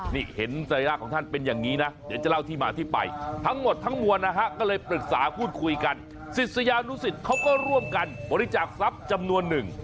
นี่เห็นสัญลักษณ์ของท่านเป็นอย่างนี้นะเดี๋ยวจะเล่าที่มาที่ไปทั้งหมดทั้งมวลนะฮะก็เลยปรึกษาพูดคุยกันศิษยานุสิตเขาก็ร่วมกันบริจาคทรัพย์จำนวนหนึ่ง